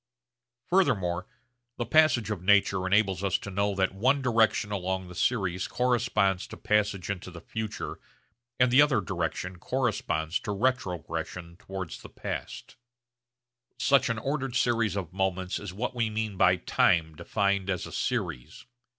Furthermore the passage of nature enables us to know that one direction along the series corresponds to passage into the future and the other direction corresponds to retrogression towards the past. Cf. Enquiry. Such an ordered series of moments is what we mean by time defined as a series.